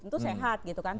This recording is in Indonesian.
itu sehat gitu kan